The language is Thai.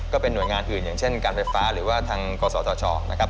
ก็เป็นหน่วยงานอื่นอย่างเช่นการไฟฟ้าหรือว่าทางกศธชนะครับ